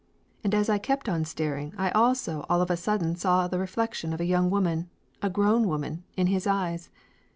And as I kept on staring I also all of a sudden saw the reflection of a young woman a grown woman in his eyes.